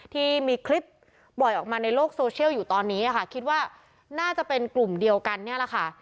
ที่มีคลิปปล่อยออกมาในโลกโซเชียลอยู่ตอนนี้ค่ะคิดว่าน่าจะเป็นกลุ่มเดียวกันเนี่ยแหละค่ะ